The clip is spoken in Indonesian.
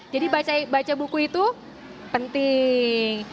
jadi baca buku itu penting